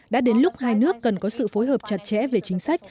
đã đến lúc hai nước cần có sự phối hợp chặt chẽ về chính sách